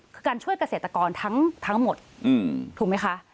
คือการช่วยเกษตรกรทั้งหมดถูกไหมคะ